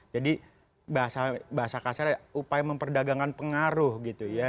jadi bahasa kasar upaya memperdagangkan pengaruh gitu ya